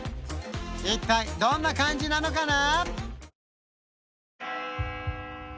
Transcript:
一体どんな感じなのかな？